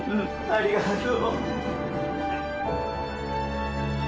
ありがとう。